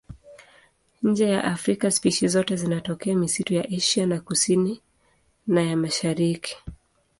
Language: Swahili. Nje ya Afrika spishi zote zinatokea misitu ya Asia ya Kusini na ya Mashariki.